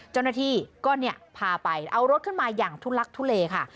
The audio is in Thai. เจ้าหน้าที่ก็เนี่ยพาไปเอารถขึ้นมาอย่างทุลักทุเลค่ะ